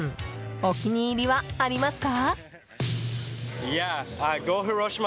お気に入りはありますか？